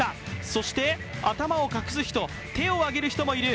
そして、頭を隠す人、手を挙げる人もいる。